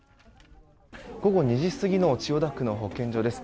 午後２時過ぎの千代田区の保健所です。